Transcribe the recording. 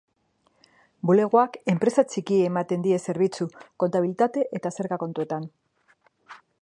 Bulegoak enpresa txikiei ematen die zerbitzu, kontabilitate eta zerga kontuetan.